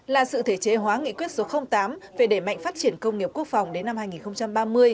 là sự thể chế hóa nghị quyết số tám về đẩy mạnh phát triển công nghiệp quốc phòng đến năm hai nghìn ba mươi